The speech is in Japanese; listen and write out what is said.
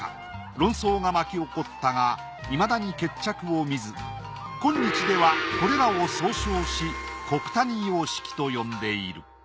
論争が巻き起こったがいまだに決着を見ず今日ではこれらを総称し古九谷様式と呼んでいる。